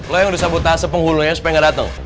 lo yang udah sabut tasep penghulunya supaya gak dateng